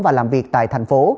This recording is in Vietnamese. và làm việc tại thành phố